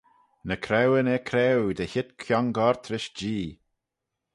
Ny craueyn er-creau dy heet kiongoyrt rish Jee.